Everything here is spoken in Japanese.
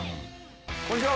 こんにちは。